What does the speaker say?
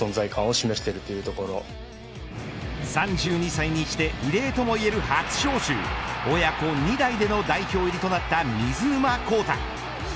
３２歳にして異例ともいえる初招集親子２代での代表入りとなった水沼宏太。